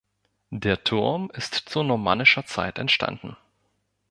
Der Turm ist zu normannischer Zeit entstanden.